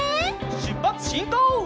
しゅっぱつしんこう！